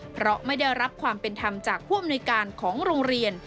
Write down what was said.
เพราะไม่ได้รับความเป็นธรรมจากผู้อำนวยการของโรงเรียน